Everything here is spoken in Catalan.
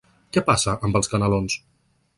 Què passa amb els canelons?